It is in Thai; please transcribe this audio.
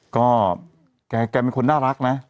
ก็แกเป็นคนน่ารักนะ